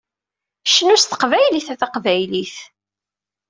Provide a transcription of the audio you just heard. Cnu s teqbaylit a taqbaylit!